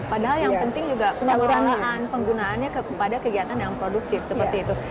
padahal yang penting juga penyempurnaan penggunaannya kepada kegiatan yang produktif seperti itu